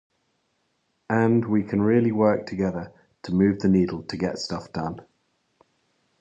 And we can really work together to move the needle to get stuff done.